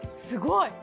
すごい。